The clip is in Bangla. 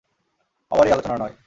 আবার এই আলোচনা নয়।